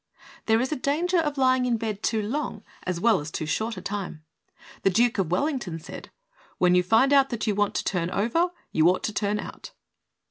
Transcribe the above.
There is a danger of lying in bed too long as well as too short a time. The Duke of Wellington said: "When you find that you want to turn over, you ought to turn out."